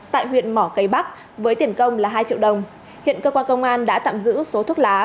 tại huyện mỏ cây bắc với tiền công là hai triệu đồng hiện cơ quan công an đã tạm giữ số thuốc lá